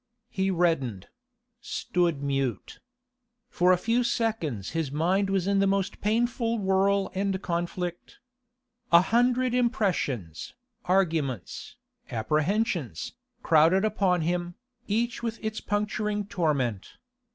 He reddened—stood mute. For a few seconds his mind was in the most painful whirl and conflict; a hundred impressions, arguments, apprehensions, crowded upon him, each with its puncturing torment.